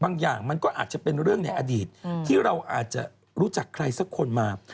อย่างมันก็อาจจะเป็นเรื่องในอดีตที่เราอาจจะรู้จักใครสักคนมา